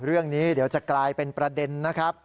เรื่องนี้เดี๋ยวจะกลายเป็นประเด็นนะครับ